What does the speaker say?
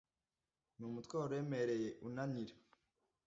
ni umutwaro uremereye unanira